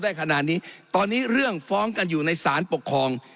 ได้ขนาดนี้ตอนนี้เรื่องฟ้องกันอยู่ในสารปกครอง